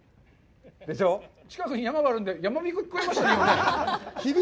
近くに山があるのでやまびこが響きましたね。